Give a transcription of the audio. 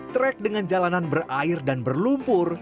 trek dengan jalanan berair dan berlumpur